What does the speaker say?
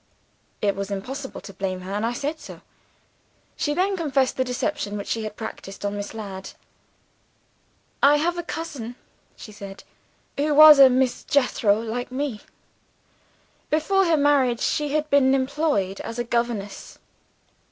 "It was impossible to blame her and I said so. "She then confessed the deception which she had practiced on Miss Ladd. 'I have a cousin,' she said, 'who was a Miss Jethro like me. Before her marriage she had been employed as a governess.